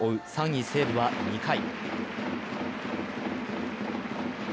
３位・西武は２回。